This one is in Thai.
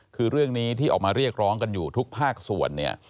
คือเรื่องนี้ที่ออกมาเรียกร้องกันอยู่ทุกภาคส่วนเนี่ย